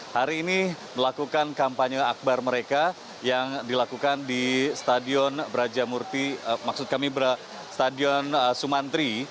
hari ini melakukan kampanye akbar mereka yang dilakukan di stadion sumantri